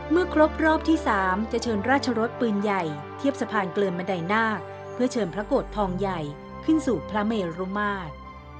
เมื่อครบรอบที่๓จะเชิญราชรสปืนใหญ่เทียบสะพานเกลือนบันไดนาคเพื่อเชิญพระโกรธทองใหญ่ขึ้นสู่พระเมรุมาตร